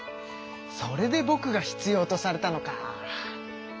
それでぼくが必要とされたのか。